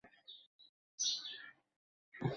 শারীরিক দৌর্বল্যই সকল অনিষ্টের মূল, আর কিছু নয়।